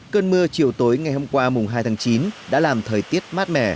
cơn mưa chiều tối ngày hôm qua mùng hai tháng chín đã làm thời tiết mát mẻ